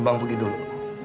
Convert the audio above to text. bang pergi dulu